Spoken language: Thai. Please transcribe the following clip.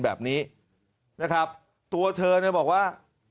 แบบนี้นะครับตัวเธอเนี่ยบอกว่า